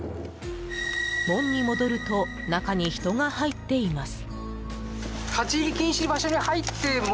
門に戻ると中に人が入っています。